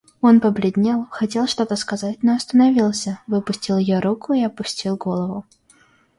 Он побледнел, хотел что-то сказать, но остановился, выпустил ее руку и опустил голову.